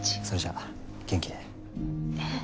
それじゃあ元気で。